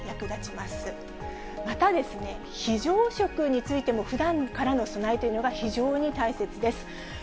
また、非常食についても、ふだんからの備えというのが非常に大切です。